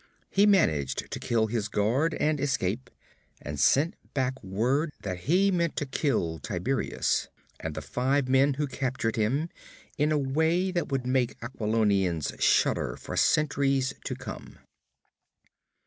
He managed to kill his guard and escape, and sent back word that he meant to kill Tiberias and the five men who captured him in a way that would make Aquilonians shudder for centuries to come.